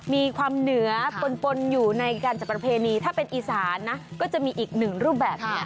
มีความเหนือปนอยู่ในการจัดประเพณีถ้าเป็นอีสานนะก็จะมีอีกหนึ่งรูปแบบนี้